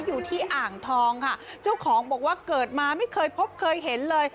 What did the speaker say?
อยู่ที่อ่างทองค่ะเจ้าของบอกว่าเกิดมาไม่เคยพบเคยเห็นเลย